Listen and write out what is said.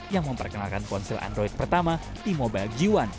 yang memperkenalkan ponsel android pertama di mobile g satu